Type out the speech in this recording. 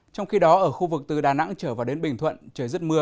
trong khi đó ở khu vực từ đà nẵng trở vào đến bình thuận trời rất mưa